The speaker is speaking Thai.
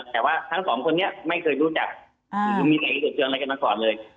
แต่ว่าทั้งสองคนนี้ไม่เคยรู้จักหรือมีสาเหตุเจออะไรกันมาก่อนเลย